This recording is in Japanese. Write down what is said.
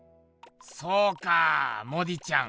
そうかモディちゃん